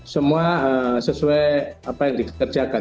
semua sesuai apa yang dikerjakan